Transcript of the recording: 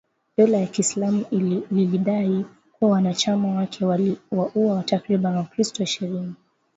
Dola ya kiislamu lilidai kuwa wanachama wake waliwauwa takribani wakristo ishirini.